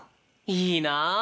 いいな！